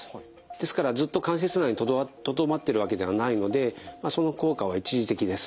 ですからずっと関節内にとどまってるわけではないのでその効果は一時的です。